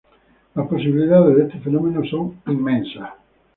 Las posibilidades de este fenómeno son inmensas.